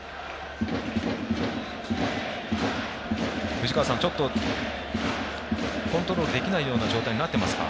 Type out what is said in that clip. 藤川さん、ちょっとコントロールできなような状態になっていますか？